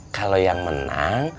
kalo yang menang